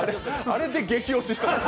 あれで激押ししたから。